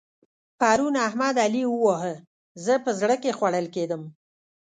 پرون احمد؛ علي وواهه. زه په زړه کې خوړل کېدم.